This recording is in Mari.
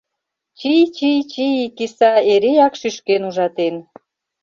Чий-чий-чий киса эреак шӱшкен ужатен.